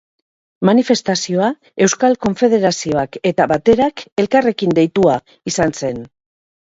Manifestazioa Euskal Konfederazioak eta Baterak elkarrekin deitua izan zen.